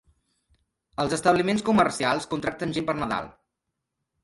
Els establiments comercials contracten gent per Nadal.